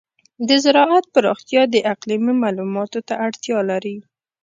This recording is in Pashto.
د زراعت پراختیا د اقلیمي معلوماتو ته اړتیا لري.